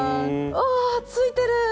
ああついてる。